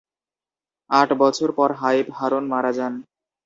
আট বছর পর হাইম হারোণ মারা যান।